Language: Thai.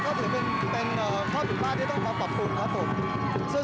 เพ้ก็ถือแปลกที่ต้องการปรับคุณครับครับ